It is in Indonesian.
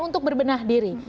untuk berbenah diri